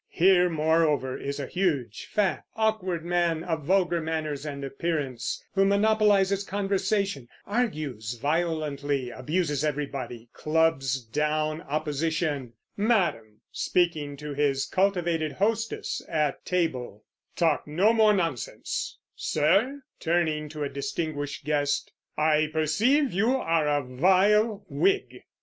Here, moreover, is a huge, fat, awkward man, of vulgar manners and appearance, who monopolizes conversation, argues violently, abuses everybody, clubs down opposition, "Madam" (speaking to his cultivated hostess at table), "talk no more nonsense"; "Sir" (turning to a distinguished guest), "I perceive you are a vile Whig."